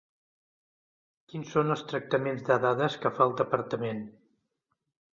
Quins són els tractaments de dades que fa el Departament.